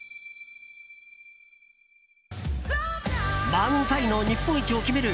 漫才の日本一を決める